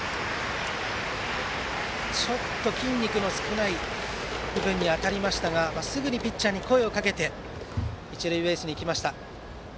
筋肉の少ない部分に当たりましたがすぐにピッチャーに声をかけて一塁ベースに行きました。